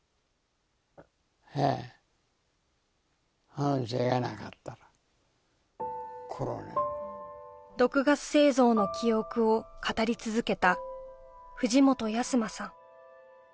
反省がなかったら毒ガス製造の記憶を語り続けた藤本安馬さん